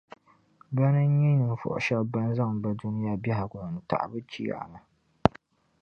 Bana n-nyɛ ninvuɣu shɛba ban zaŋ bɛ Dunia biεhigu n-taɣi bɛ Chiyaama.